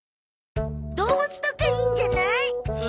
動物とかいいんじゃない？